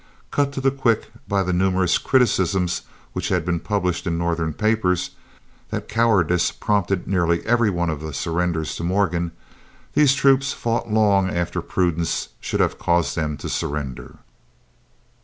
Cut to the quick by the numerous criticisms which had been published in Northern papers, that cowardice prompted nearly every one of the surrenders to Morgan, these troops fought long after prudence should have caused them to surrender.